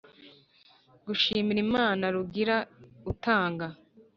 gushimira imana rugira utanga